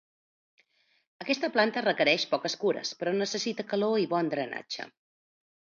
Aquesta planta requereix poques cures, però necessita calor i bon drenatge.